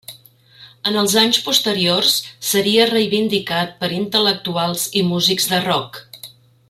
En els anys posteriors seria reivindicat per intel·lectuals i músics de rock.